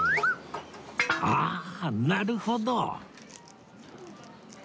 ああなるほど